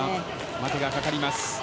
待てがかかります。